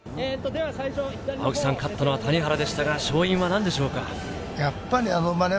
勝ったのは谷原でしたが、勝因は何でしょうか？